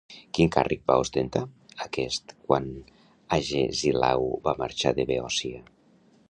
Quin càrrec va ostentar aquest quan Agesilau va marxar de Beòcia?